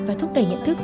và thúc đẩy hiện tượng